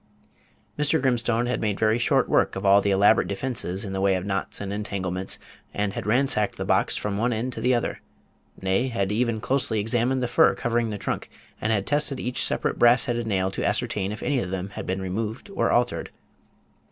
Mr. Grimstone had made very short work of all the elaborate defences in the way of knots and entanglements, and had ransacked the box from one end to the other; nay, had even closely examined the fur covering of the trunk, and had tested each separate brass headed nail to ascertain if any of them had been removed or altered.